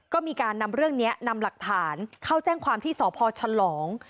ก็มีการนำเรื่องนี้นำหลักฐานเข้าแจ้งความที่สพฉลอง